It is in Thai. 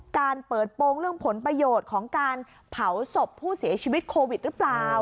การเปิดโปรงเรื่องผลประโยชน์ของการเผาศพผู้เสียชีวิตโควิดหรือเปล่า